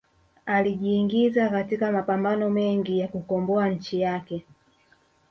alijiingiza katika mapambano mengi ya kukomboa nchi yake